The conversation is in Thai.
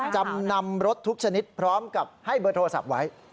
จำนำรถทุกชนิดพร้อมกับให้เบอร์โทรศัพท์ไว้